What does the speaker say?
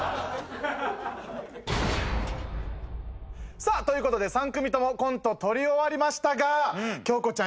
さあという事で３組ともコント撮り終わりましたが京子ちゃん